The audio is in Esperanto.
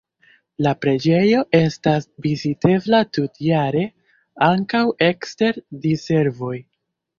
La preĝejo estas vizitebla tutjare, ankaŭ ekster diservoj.